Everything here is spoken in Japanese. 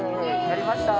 やりました。